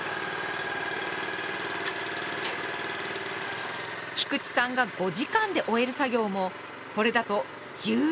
菊池さんが５時間で終える作業もこれだと１０時間かかるのだとか。